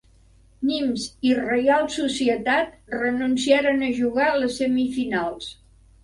Nimes i Reial Societat renunciaren a jugar les semifinals.